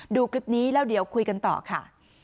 ดูคลิปนี้แล้วเดี๋ยวคุยกันต่อค่ะ